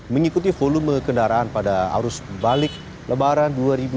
mengikuti volume kendaraan pada arus balik lebaran dua ribu dua puluh